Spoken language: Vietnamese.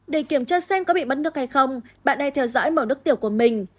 để kiểm tra xem có bị mất nước hay không bạn ai theo dõi màu nước tiểu của mình